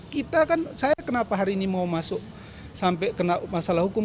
kita kan saya kenapa hari ini mau masuk sampai kena masalah hukum